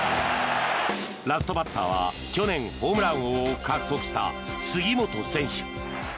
ラストバッターは去年、ホームラン王を獲得した杉本選手。